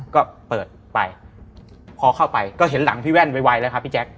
ก็เปิดไปพอเข้าไปก็เห็นหลังพี่แว่นไวแล้วครับพี่แจ๊ค